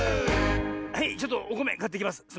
はいちょっとおこめかってきます。